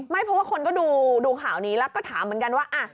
ไม่เพราะว่าคนก็ดูข่าวนี้แล้วก็ถามเหมือนกันว่า